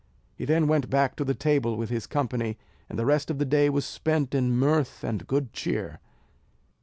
He then went back to the table with the company, and the rest of the day was spent in mirth and good cheer.